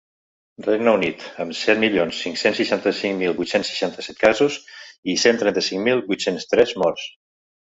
Regne Unit, amb set milions cinc-cents seixanta-cinc mil vuit-cents seixanta-set casos i cent trenta-cinc mil vuit-cents tres morts.